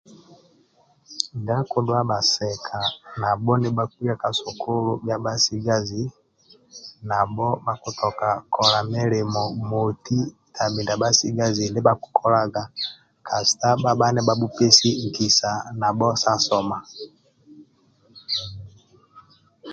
Ndia akudhuwa bhasika nabho nibhakuya ka sukulu bhia bhasigazi nabho bhakutoka kola milimo moti tabhi ndia bhasigazi ndia bhasigazi bhakukolaga kasita bhabha nibhabhupesi nkisa nabho sa soma